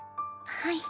はい。